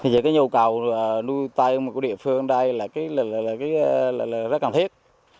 thì cái nhu cầu nuôi tay của địa phương đây là rất cần thiết